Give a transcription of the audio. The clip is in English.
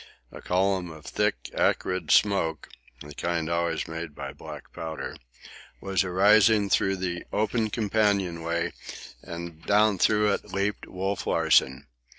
A column of thick, acrid smoke—the kind always made by black powder—was arising through the open companion way, and down through it leaped Wolf Larsen.